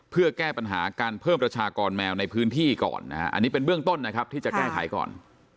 เพื่อแก้ปัญหาการเพิ่มประชากรแมวในพื้นที่ก่อนนะฮะอันนี้เป็นเบื้องต้นนะครับที่จะแก้ไขก่อน